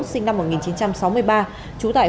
sinh năm một nghìn chín trăm sáu mươi ba